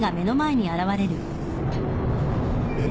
えっ？